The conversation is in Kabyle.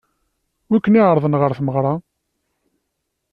Wi ken-iɛeṛḍen ɣer tmeɣṛa?